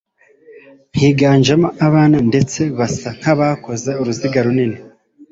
higanjemo abana ndetse basa nkabakoze uruziga runini